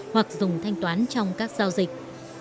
hoặc dùng thanh toán trong các giao dịch